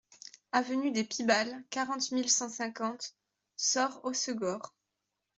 Avenue des Pibales, quarante mille cent cinquante Soorts-Hossegor